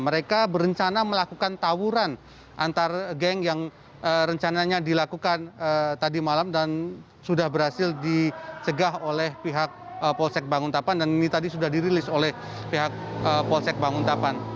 mereka berencana melakukan tawuran antar geng yang rencananya dilakukan tadi malam dan sudah berhasil dicegah oleh pihak polsek banguntapan dan ini tadi sudah dirilis oleh pihak polsek banguntapan